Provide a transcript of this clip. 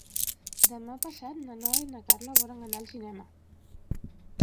Demà passat na Noa i na Carla volen anar al cinema.